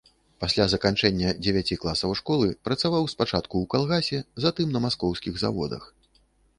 Пасля заканчэння дзевяці класаў школы працаваў спачатку ў калгасе, затым на маскоўскіх заводах.